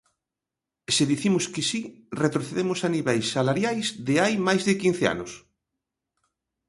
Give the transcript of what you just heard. Se dicimos que si retrocedemos a niveis salariais de hai mais de quince anos.